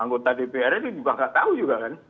anggota dpr ini juga gak tau juga kan